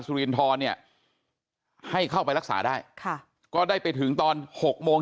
รินทรเนี่ยให้เข้าไปรักษาได้ค่ะก็ได้ไปถึงตอน๖โมง